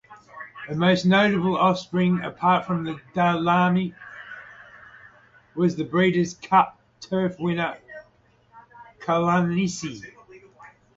His most notable offspring, apart from Daylami, was the Breeders' Cup Turf winner Kalanisi.